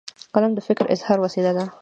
قلم د فکر اظهار وسیله ده.